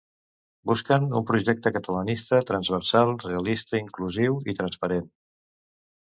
Busquen un projecte catalanista transversal, realista inclusiu i transparent.